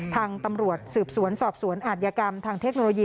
ทางตำรวจสืบสวนสอบสวนอาจยกรรมทางเทคโนโลยี